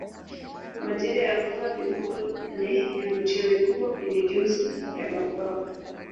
Majira ya mvua viboko ni vivutio vikubwa kwenye jozi ya mabwawa